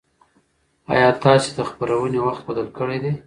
ایا تاسي د خپرونې وخت بدل کړی دی؟